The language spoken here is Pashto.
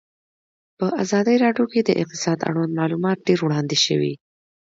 په ازادي راډیو کې د اقتصاد اړوند معلومات ډېر وړاندې شوي.